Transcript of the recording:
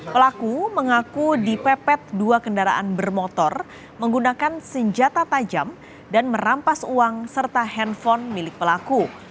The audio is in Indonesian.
pelaku mengaku dipepet dua kendaraan bermotor menggunakan senjata tajam dan merampas uang serta handphone milik pelaku